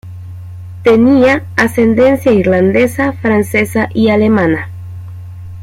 Tenía ascendencia irlandesa, francesa y alemana.